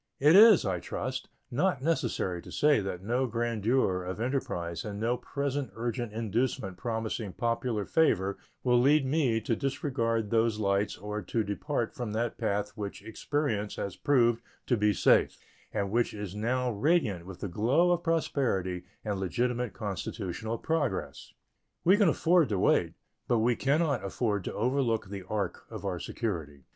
It is, I trust, not necessary to say that no grandeur of enterprise and no present urgent inducement promising popular favor will lead me to disregard those lights or to depart from that path which experience has proved to be safe, and which is now radiant with the glow of prosperity and legitimate constitutional progress. We can afford to wait, but we can not afford to overlook the ark of our security.